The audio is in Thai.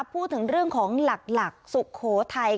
พูดถึงเรื่องของหลักสุโขทัย